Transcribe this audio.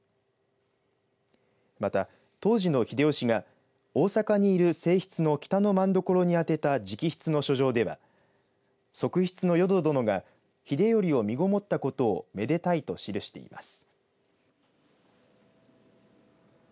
また、当時の秀吉が大坂にいる正室の北政所に宛てた直筆の書状では側室の淀殿が秀頼を身ごもったことをめでたいと記しています。